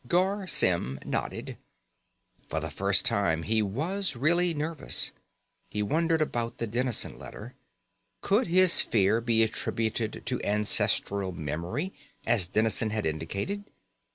Garr Symm nodded. For the first time he was really nervous. He wondered about the Dennison letter. Could his fear be attributed to ancestral memory, as Dennison had indicated?